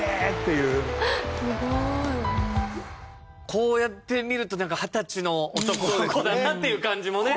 こうやって見るとなんか二十歳の男の子だなっていう感じもね。